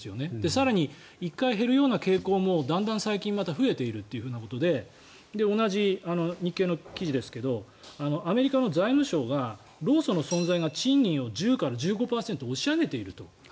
更に１回減るような傾向もだんだん最近また増えているということで同じ日経の記事ですがアメリカの財務省が労組の存在が賃金を１０から１５％押し上げていると。